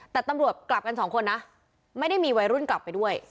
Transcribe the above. แต่ตำรวจกลับกันสองคนนะไม่ได้มีวัยรุ่นกลับไปด้วย